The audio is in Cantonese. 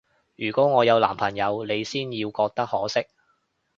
如果我有男朋友，你先要覺得可惜